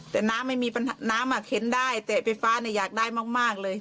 แต่น้ำไม่มีปัญหาน้ำเข็นได้แต่ไฟฟ้าอยากได้มากเลย